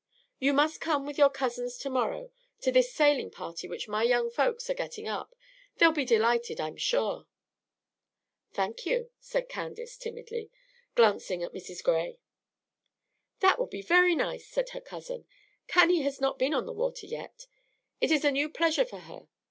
You must come with your cousins to morrow to this sailing party which my young folks are getting up. They'll be delighted, I'm sure." "Thank you," said Candace, timidly, glancing at Mrs. Gray. "That will be very nice," said her cousin. "Cannie has not been on the water yet. It is a new pleasure for her.